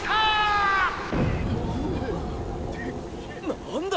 何だ？